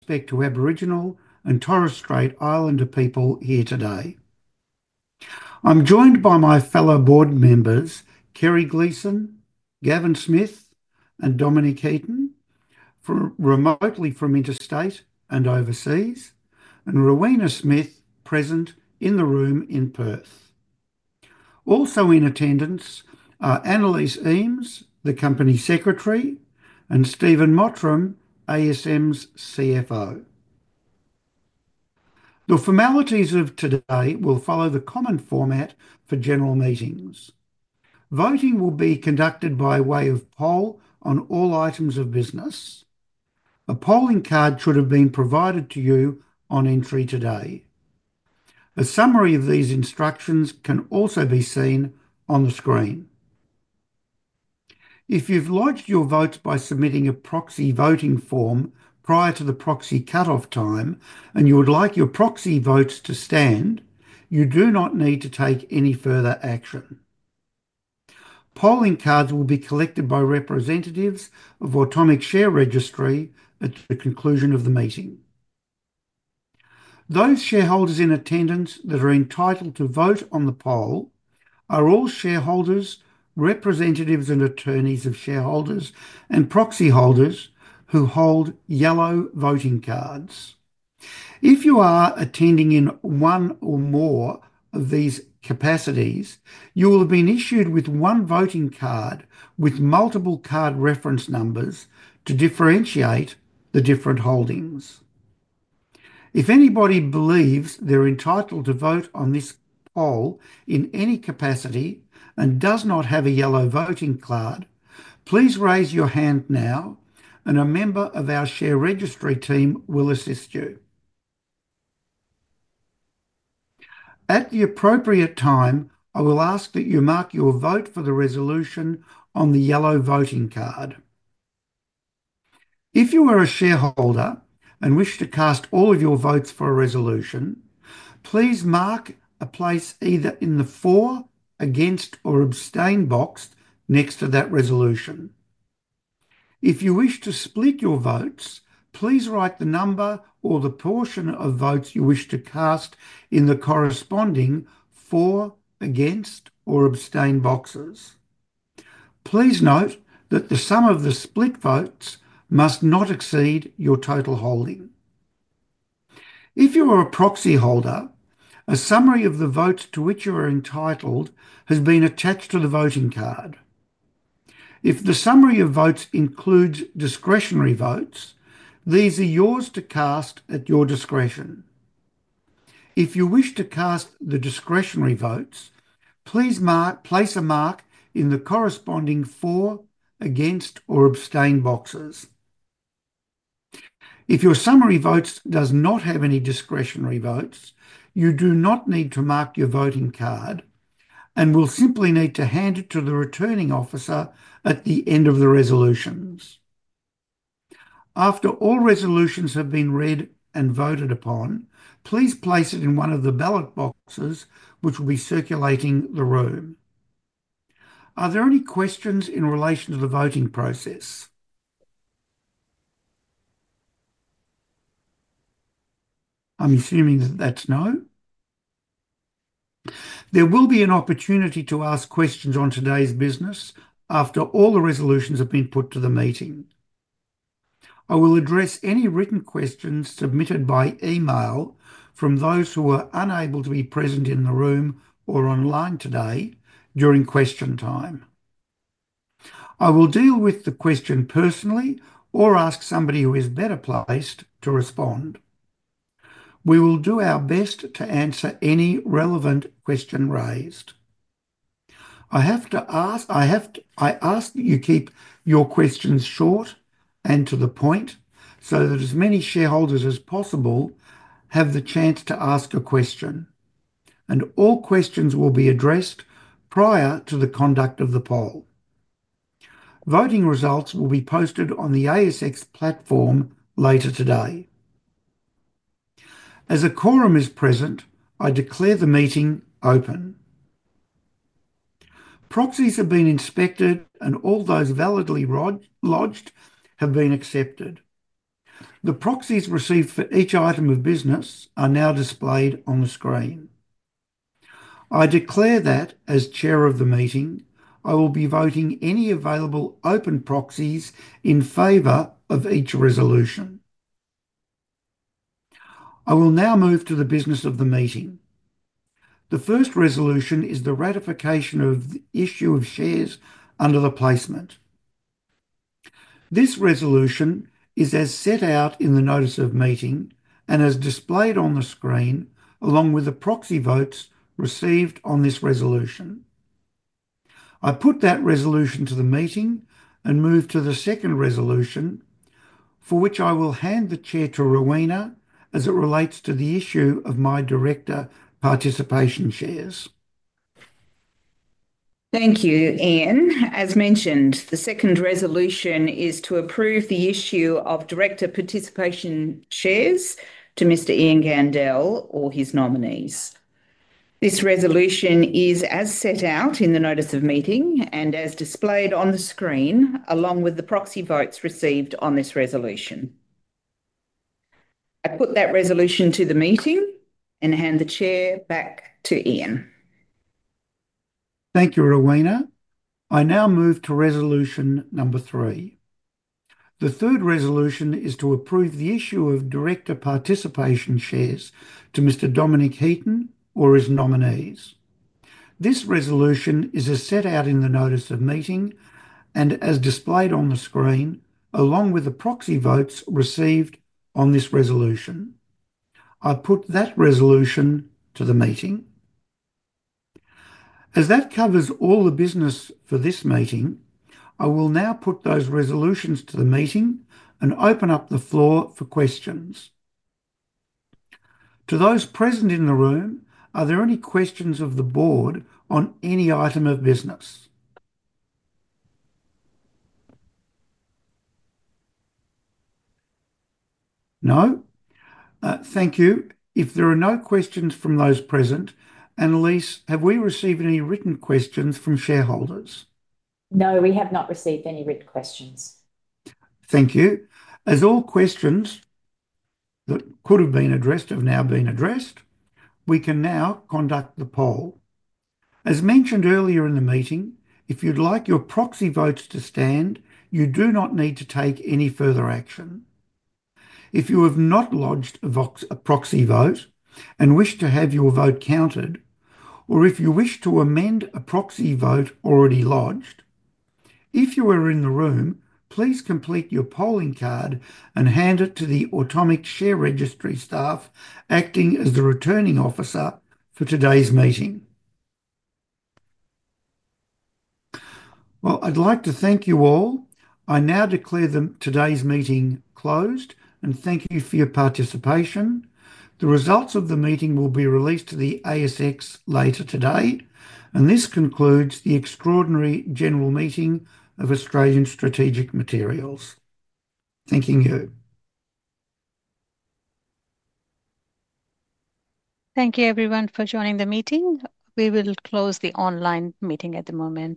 speak to Webb Regional and Torres Strait Islander people here today. I'm joined by my fellow board members, Kerry Gleeson, Gavin Smith, and Dominic Heaton, remotely from interstate and overseas, and Rowena Smith, present in the room in Perth. Also in attendance are Annaliese Eames, the Company Secretary, and Stephen Mottram, ASM's CFO. The formalities of today will follow the common format for general meetings. Voting will be conducted by way of poll on all items of business. A polling card should have been provided to you on entry today. A summary of these instructions can also be seen on the screen. If you've lodged your votes by submitting a proxy voting form prior to the proxy cutoff time and you would like your proxy votes to stand, you do not need to take any further action. Polling cards will be collected by representatives of the Atomic Share Registry at the conclusion of the meeting. Those shareholders in attendance that are entitled to vote on the poll are all shareholders, representatives and attorneys of shareholders, and proxy holders who hold yellow voting cards. If you are attending in one or more of these capacities, you will have been issued with one voting card with multiple card reference numbers to differentiate the different holdings. If anybody believes they're entitled to vote on this poll in any capacity and does not have a yellow voting card, please raise your hand now and a member of our share registry team will assist you. At the appropriate time, I will ask that you mark your vote for the resolution on the yellow voting card. If you are a shareholder and wish to cast all of your votes for a resolution, please mark a place either in the for, against, or abstain box next to that resolution. If you wish to split your votes, please write the number or the portion of votes you wish to cast in the corresponding for, against, or abstain boxes. Please note that the sum of the split votes must not exceed your total holding. If you are a proxy holder, a summary of the votes to which you are entitled has been attached to the voting card. If the summary of votes includes discretionary votes, these are yours to cast at your discretion. If you wish to cast the discretionary votes, please place a mark in the corresponding for, against, or abstain boxes. If your summary votes do not have any discretionary votes, you do not need to mark your voting card and will simply need to hand it to the returning officer at the end of the resolutions. After all resolutions have been read and voted upon, please place it in one of the ballot boxes which will be circulating the room. Are there any questions in relation to the voting process? I'm assuming that that's no. There will be an opportunity to ask questions on today's business after all the resolutions have been put to the meeting. I will address any written questions submitted by email from those who are unable to be present in the room or online today during question time. I will deal with the question personally or ask somebody who is better placed to respond. We will do our best to answer any relevant question raised. I ask that you keep your questions short and to the point so that as many shareholders as possible have the chance to ask a question, and all questions will be addressed prior to the conduct of the poll. Voting results will be posted on the ASX platform later today. As a quorum is present, I declare the meeting open. Proxies have been inspected and all those validly lodged have been accepted. The proxies received for each item of business are now displayed on the screen. I declare that as Chair of the meeting, I will be voting any available open proxies in favor of each resolution. I will now move to the business of the meeting. The first resolution is the ratification of the issue of shares under the placement. This resolution is as set out in the notice of meeting and is displayed on the screen along with the proxy votes received on this resolution. I put that resolution to the meeting and move to the second resolution for which I will hand the Chair to Rowena as it relates to the issue of my director participation shares. Thank you, Ian. As mentioned, the second resolution is to approve the issue of director participation shares to Mr. Ian Gandel or his nominees. This resolution is as set out in the notice of meeting and as displayed on the screen along with the proxy votes received on this resolution. I put that resolution to the meeting and hand the Chair back to Ian. Thank you, Rowena. I now move to resolution number three. The third resolution is to approve the issue of director participation shares to Mr. Dominic Heaton or his nominees. This resolution is as set out in the notice of meeting and as displayed on the screen along with the proxy votes received on this resolution. I put that resolution to the meeting. As that covers all the business for this meeting, I will now put those resolutions to the meeting and open up the floor for questions. To those present in the room, are there any questions of the board on any item of business? No. Thank you. If there are no questions from those present, Annaliese, have we received any written questions from shareholders? No, we have not received any written questions. Thank you. As all questions that could have been addressed have now been addressed, we can now conduct the poll. As mentioned earlier in the meeting, if you'd like your proxy votes to stand, you do not need to take any further action. If you have not lodged a proxy vote and wish to have your vote counted, or if you wish to amend a proxy vote already lodged, if you are in the room, please complete your polling card and hand it to the Atomic Share Registry staff acting as the returning officer for today's meeting. I would like to thank you all. I now declare today's meeting closed and thank you for your participation. The results of the meeting will be released to the ASX later today. This concludes the extraordinary general meeting of Australian Strategic Materials. Thank you, Ian. Thank you, everyone, for joining the meeting. We will close the online meeting at the moment.